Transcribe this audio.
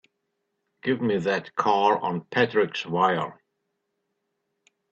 Give me that call on Patrick's wire!